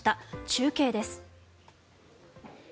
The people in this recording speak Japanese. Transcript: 中継です。